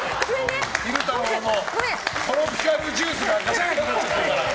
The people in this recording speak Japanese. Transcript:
昼太郎のトロピカルジュースがガチャン！ってなっちゃったから。